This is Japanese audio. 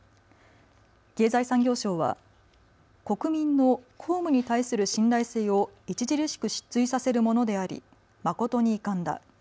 経済産業省は国民の公務に対する信頼性を著しく失墜させるものであり誠に遺憾だ。